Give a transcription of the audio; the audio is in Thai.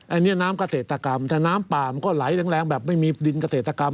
อันนี้น้ำเกษตรกรรมแต่น้ำป่ามันก็ไหลแรงแบบไม่มีดินเกษตรกรรม